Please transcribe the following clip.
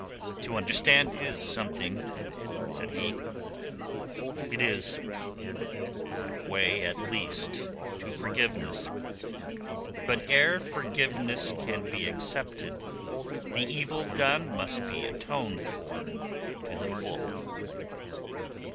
"To understand is something," said he. "It is half way at least to forgiveness. But ere forgiveness can be accepted the evil done must be atoned for to the full."